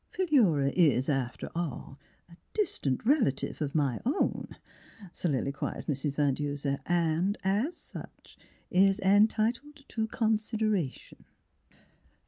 " Philura is, after all, a dis tant relative of my own," soliloquized Mrs. Van Denser, "and as such is entitled to consideration."